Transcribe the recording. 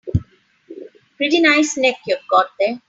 Pretty nice neck you've got there.